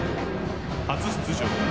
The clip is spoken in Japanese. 初出場。